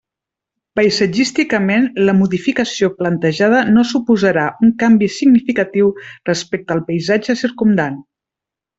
Paisatgísticament la modificació plantejada no suposarà un canvi significatiu respecte al paisatge circumdant.